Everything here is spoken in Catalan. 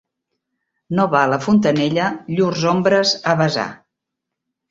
No va la fontanella llurs ombres a besar.